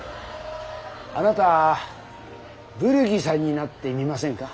あなた「ブルギさん」になってみませんか？